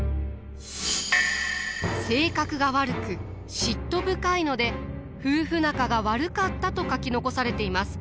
性格が悪く嫉妬深いので夫婦仲が悪かったと書き残されています。